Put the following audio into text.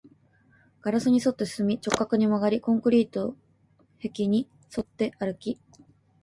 ガラスに沿って進み、直角に曲がり、コンクリート壁に沿って歩き